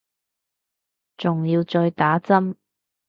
仲要再打針